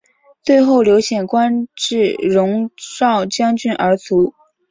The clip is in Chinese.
最后刘显官至戎昭将军而卒。